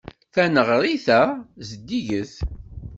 Taneɣrit-a zeddiget.